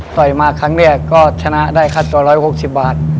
ต่อยมาครั้งแรกก็ชนะได้ค่าตัว๑๖๐บาท